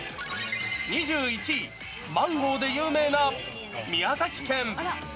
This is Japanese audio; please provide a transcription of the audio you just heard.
２１位、マンゴーで有名な宮崎県。